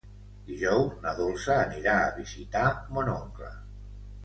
Dijous na Dolça anirà a visitar mon oncle.